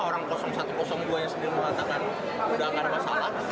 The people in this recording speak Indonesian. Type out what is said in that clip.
orang satu dua yang sendiri mengatakan sudah akan ada masalah